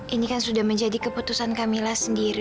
ini kan sudah menjadi keputusan kak mila sendiri